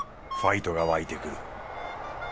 ファイトが湧いてくる。